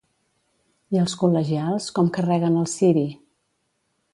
I els col·legials com carreguen el ciri?